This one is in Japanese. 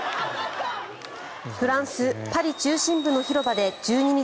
フランス・パリ中心部の広場で１２日